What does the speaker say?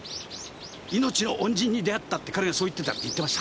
「命の恩人に出会った」って彼がそう言ってたって言ってました。